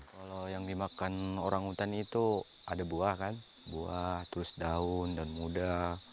kalau yang dimakan orang hutan itu ada buah kan buah terus daun dan muda